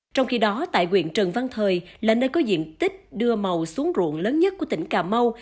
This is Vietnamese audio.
trong khi đó tại quyện trần văn thời là nơi có diện tích đưa màu xuống ruộng lớn nhất của tỉnh cà mau